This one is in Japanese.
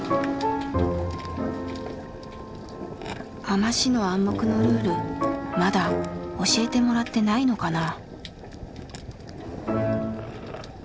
海士の暗黙のルールまだ教えてもらってないのかな。